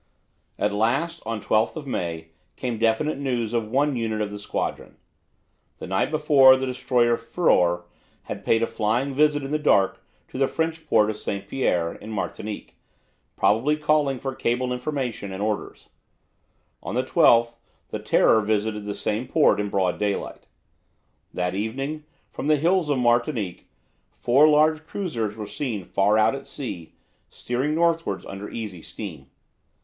At last, on 12 May, came definite news of one unit of the squadron. The night before the destroyer "Furor" had paid a flying visit in the dark to the French port of St. Pierre, in Martinique, probably calling for cabled information and orders. On the 12th the "Terror" visited the same port in broad daylight. That evening, from the hills of Martinique, four large cruisers were seen far out at sea, steering northwards, under easy steam.